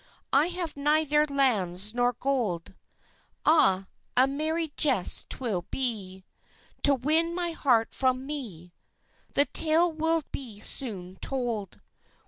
I have neither lands nor gold. Ah, a merry jest 'twill be To win my heart from me (The tale will be soon told!)